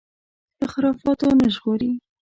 له خرافاتو نه ژغوري